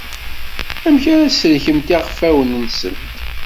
Amek ara sellkent iɣfawen-nsent?